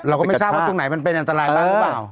เราก็ไม่ทราบว่าตรงไหนมันเป็นอันตรายบ้างหรือเปล่า